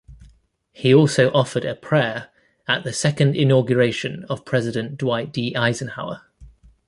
He also offered a prayer at the second inauguration of President Dwight D. Eisenhower.